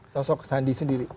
sosok sandi sendiri